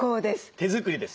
手作りです。